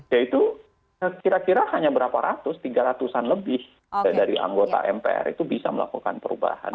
yaitu kira kira hanya berapa ratus tiga ratus an lebih dari anggota mpr itu bisa melakukan perubahan